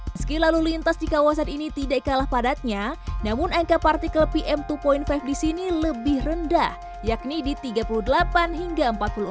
meski lalu lintas di kawasan ini tidak kalah padatnya namun angka partikel pm dua lima di sini lebih rendah yakni di tiga puluh delapan hingga empat puluh empat